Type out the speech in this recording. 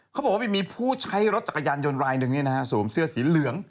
เขาบอกว่ามีผู้ใช้รถจักรยานยนต์รายหนึ่งสวมเสื้อสีเหลือง